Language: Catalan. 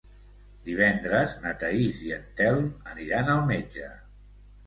Divendres na Thaís i en Telm aniran al metge.